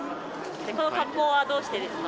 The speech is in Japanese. その格好はどうしてですか？